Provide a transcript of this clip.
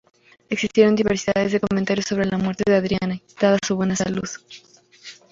Existieron diversidades de comentarios sobre la muerte de Adriani, dada su muy buena salud.